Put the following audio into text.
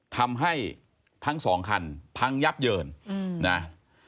ทำให้ทั้งสองคันพังยับเยินนะ